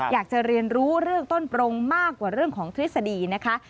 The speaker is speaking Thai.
อยากจะเรียนรู้เรื่องต้นโปรงมากกว่าเรื่องของทฤษฎีนะคะ